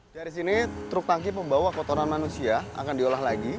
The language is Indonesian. dari sini truk tangki pembawa kotoran manusia akan diolah lagi